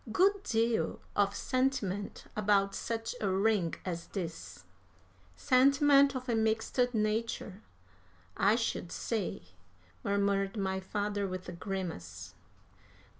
Good deal of sentiment about such a ring as this." "Sentiment of a mixed nature, I should say," murmured my father, with a grimace.